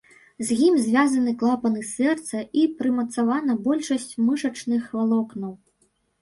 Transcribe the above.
З ім звязаны клапаны сэрца і прымацавана большасць мышачных валокнаў.